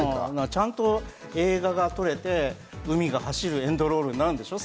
ちゃんと映画が撮れて、海が走るエンドロールになるんでしょう？